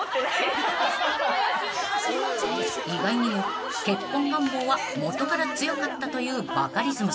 ［意外にも結婚願望は元から強かったというバカリズムさん］